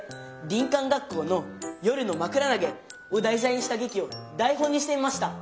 「林間学校の夜のまくらなげ」を題材にした劇を台本にしてみました。